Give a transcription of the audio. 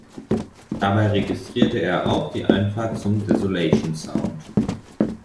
Dabei registrierte er auch die Einfahrt zum Desolation Sound.